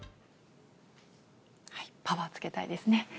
パワーつけたいですね。